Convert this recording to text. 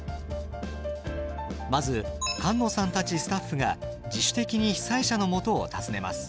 まず菅野さんたちスタッフが自主的に被災者のもとを訪ねます。